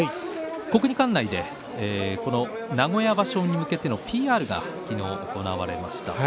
国技館内で名古屋場所に向けてのＰＲが昨日、行われました。